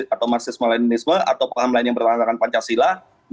atau marxisme leninisme atau paham lain yang bertentangan pancasila